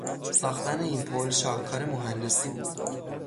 ساختن این پل شاهکار مهندسی بود.